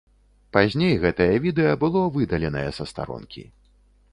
Пазней гэтае відэа было выдаленае са старонкі.